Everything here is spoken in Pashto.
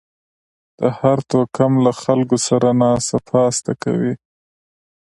د هر توکم له خلکو سره ناسته پاسته کوئ